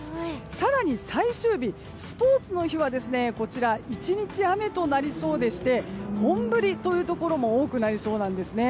更に最終日、スポーツの日は１日雨となりそうで、本降りのところも多くなりそうです。